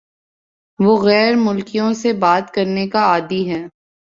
وہ غیر ملکیوں سے بات کرنے کا عادی ہے